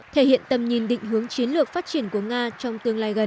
thể hiện tầm nhìn định hướng chiến lược phát triển của nga trong tương lai gần